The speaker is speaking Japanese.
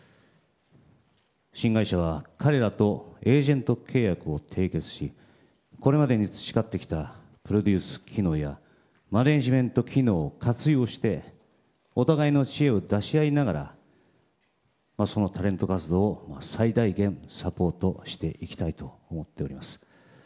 新会社は彼らとエージェント契約を締結しこれまでに培ってきたプロデュース機能やマネジメント機能を活用してお互いの知恵を出し合いながらそのタレント活動を最大限サポートしていきたいと思っております。